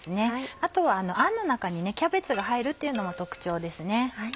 あとはあんの中にキャベツが入るっていうのも特徴です。